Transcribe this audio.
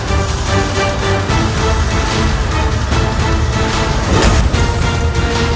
kerap behaviorsnya membuatnya sukar ocup immortally